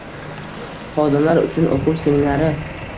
Xodimlar uchun o‘quv seminari